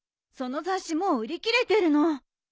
その雑誌もう売り切れてるの。